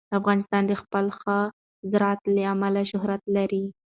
افغانستان د خپل ښه زراعت له امله شهرت لري.